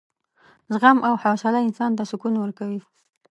زغم او حوصله انسان ته سکون ورکوي.